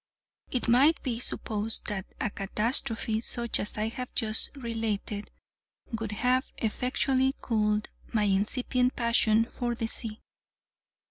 It might be supposed that a catastrophe such as I have just related would have effectually cooled my incipient passion for the sea.